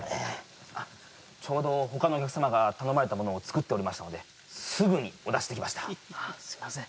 ちょうど他のお客様が頼まれたものを作っておりましたのですぐにお出しできましたあっすいません